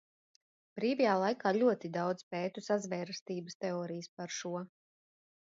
Brīvajā laikā ļoti daudz pētu sazvērestības teorijas par šo.